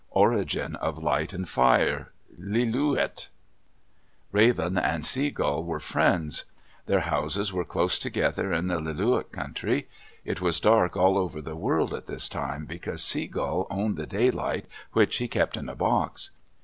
ORIGIN OF LIGHT AND FIRE Lillooet Raven and Sea Gull were friends. Their houses were close together in the Lillooet country. It was dark all over the world at this time, because Sea Gull owned the daylight, which he kept in a box.